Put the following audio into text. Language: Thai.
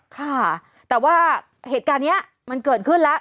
ค่ะแต่ว่าเหตุการณ์นี้มันเกิดขึ้นแล้ว